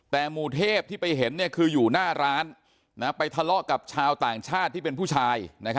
แต่หมู่เทพที่ไปเห็นคืออยู่หน้าร้านไปทะเลาะกับชาวต่างชาติที่เป็นผู้ชาย